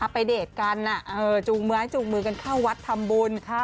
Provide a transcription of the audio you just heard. ไปเดทกันจูงไม้จูงมือกันเข้าวัดทำบุญ